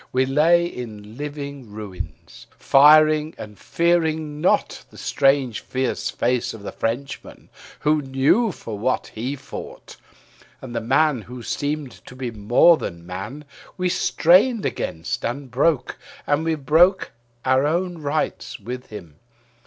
We lay in living ruins; firing and fearing not The strange face of the Frenchman who know for what they fought, And the man who seemed to be more than man we strained against and broke; And we broke our own right with him.